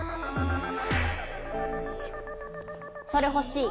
それほしい。